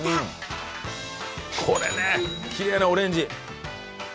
これねキレイなオレンジ。